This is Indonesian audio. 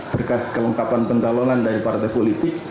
berkas kelengkapan pencalonan dari partai politik